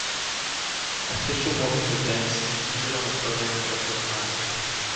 Official women's events featured on the programme for the first time.